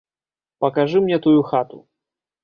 Пакажы мне тую хату.